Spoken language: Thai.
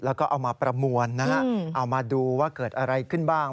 แล้วก็เอามาประมวลนะฮะเอามาดูว่าเกิดอะไรขึ้นบ้าง